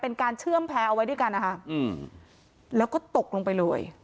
เป็นการเชื่อมแพ้เอาไว้ด้วยกันนะคะอืมแล้วก็ตกลงไปเลย